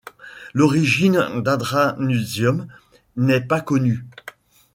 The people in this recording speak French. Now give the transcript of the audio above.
L'origine d'Adranutzium n'est pas connue.